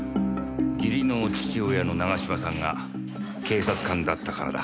義理の父親の長島さんが警察官だったからだ。